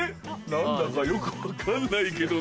何だかよく分かんないけどね。